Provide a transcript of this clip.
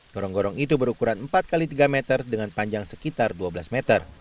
gorong gorong itu berukuran empat x tiga meter dengan panjang sekitar dua belas meter